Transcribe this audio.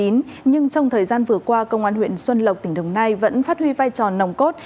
nhưng trong thời gian vừa qua công an huyện xuân lộc tỉnh đồng nai vẫn phát huy vai trò nồng cốt